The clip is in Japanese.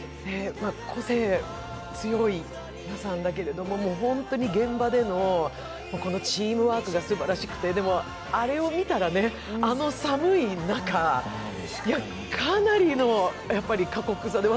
個性強い皆さんだけれども、本当に現場でのチームワークがすばらしくてでも、あれを見たら、あの寒い中、かなりの過酷さで。